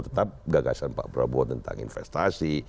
tetap gagasan pak prabowo tentang investasi